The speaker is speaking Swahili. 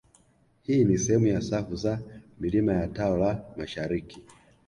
Hii ni sehemu ya safu za milima ya tao la mashariki